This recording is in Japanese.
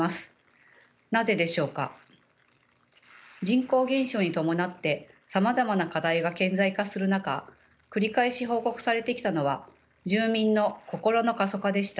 人口減少に伴ってさまざまな課題が顕在化する中繰り返し報告されてきたのは住民の「心の過疎化」でした。